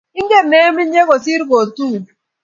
Ingen nemnyei kosir kotuun